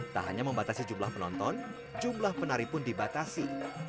tak hanya membatasi jumlah penonton jumlah penari pun dibatasi